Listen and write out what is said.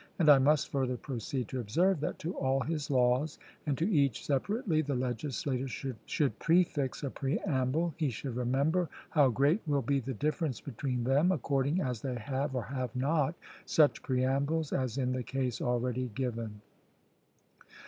And I must further proceed to observe, that to all his laws, and to each separately, the legislator should prefix a preamble; he should remember how great will be the difference between them, according as they have, or have not, such preambles, as in the case already given.